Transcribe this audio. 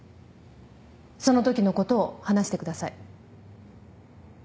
そのときのことを話してください。